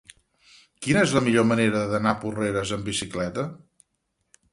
Quina és la millor manera d'anar a Porreres amb bicicleta?